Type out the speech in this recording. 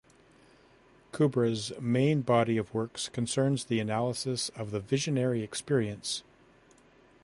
Kubra's main body of works concerns the analysis of the visionary experience.